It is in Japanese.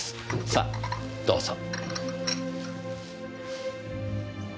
さあどうぞ。